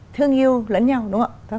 thương yêu lẫn nhau đúng không